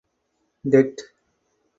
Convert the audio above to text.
Det.